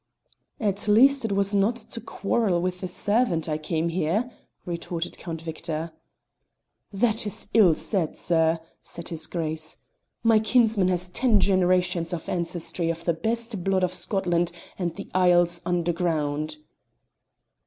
"At least 'twas not to quarrel with a servant I came here," retorted Count Victor. "That is ill said, sir," said his Grace. "My kinsman has ten generations of ancestry of the best blood of Scotland and the Isles underground."